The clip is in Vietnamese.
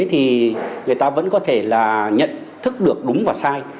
thì người ta vẫn có thể là nhận thức được đúng và sai